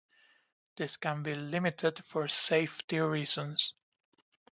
This can be limited for safety reasons.